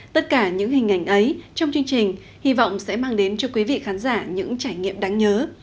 tất cả những hình ảnh ấy trong chương trình hy vọng sẽ mang đến cho quý vị khán giả những trải nghiệm đáng nhớ